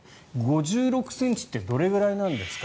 ５６ｃｍってどれくらいなんですか。